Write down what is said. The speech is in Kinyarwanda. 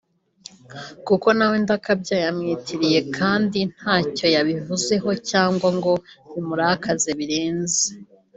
kuko nawe Ndakabya yamwitiriwe kandi ntacyo yabivuzeho cyangwa ngo bimurakaze birenze